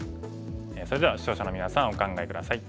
それでは視聴者のみなさんお考え下さい。